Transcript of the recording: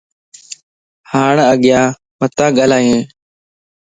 ھاڻ اڳيان متان ڳالھائين